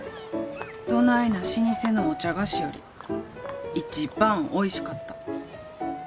どないな老舗のお茶菓子より一番おいしかった。